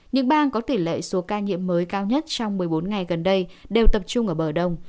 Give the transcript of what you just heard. những bang có tỷ lệ số ca nhiễm mới cao nhất trong một mươi bốn ngày gần đây đều tập trung ở bờ đông